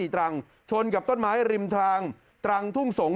ตรังชนกับต้นไม้ริมทางตรังทุ่งสงศ